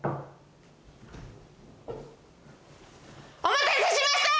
・お待たせしました！